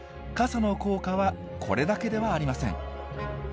傘の効果はこれだけではありません。